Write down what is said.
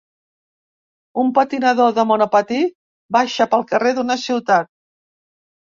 Un patinador de monopatí baixa pel carrer d'una ciutat.